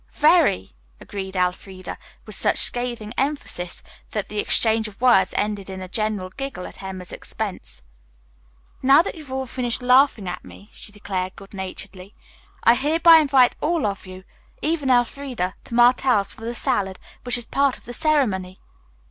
"Very!" agreed Elfreda, with such scathing emphasis that the exchange of words ended in a general giggle at Emma's expense. "Now that you've all finished laughing at me," she declared good naturedly, "I hereby invite all of you, even Elfreda, to Martell's for the salad, which is my part of the ceremony."